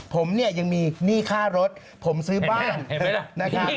ผมเนี่ยยังมีหนี้ค่ารถผมซื้อบ้านนะครับ